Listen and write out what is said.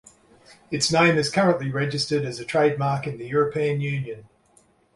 Its name is currently registered as trademark in the European Union.